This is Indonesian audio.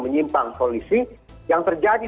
menyimpang polisi yang terjadi